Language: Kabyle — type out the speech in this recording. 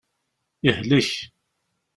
Yehlek.